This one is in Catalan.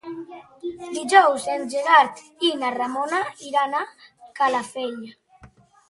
Dijous en Gerard i na Ramona iran a Calafell.